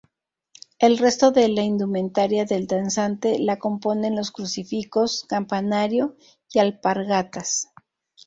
El resto de la indumentaria del danzante la componen los crucifijos, campanario y alpargatas.